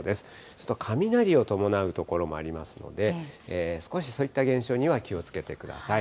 ちょっと雷を伴う所もありますので、少しそういった現象には気をつけてください。